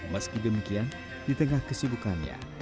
meski demikian di tengah kesibukannya